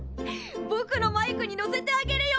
ぼくのバイクに乗せてあげるよ。